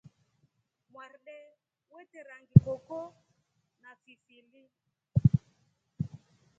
Mwarde wete rangi Koko na fivili.